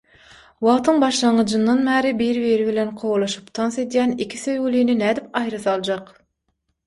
Wagtyň başlangyjyndan bäri bir-biri bilen kowalaşyp tans edýän iki söýgülini nädip aýra saljak?